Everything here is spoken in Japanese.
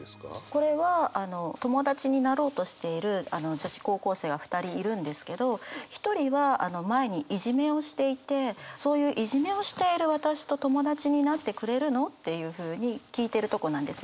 これはあの友達になろうとしている女子高校生が２人いるんですけど１人は前にいじめをしていてそういういじめをしている私と友達になってくれるの？っていうふうに聞いてるとこなんですね。